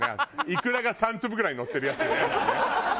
イクラが３粒ぐらいのってるやつよね。